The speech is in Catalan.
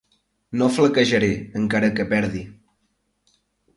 No flaquejaré, encara que perdi.